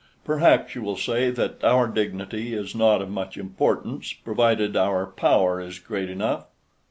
Perhaps you will say that our dignity is not of much importance provided our power is great enough.